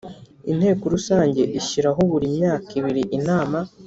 Inteko Rusange ishyiraho buri myaka ibiri Inama